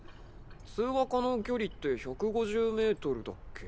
通話可能距離って１５０ｍだっけ？